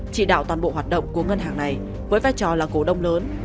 chỉ đạo toàn bộ hoạt động của ngân hàng này với vai trò là cổ đông lớn